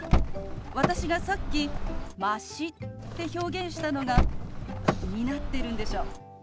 私がさっき「まし」って表現したのが気になってるんでしょ？